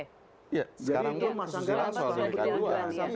jadi itu masang masangnya soal delik aduan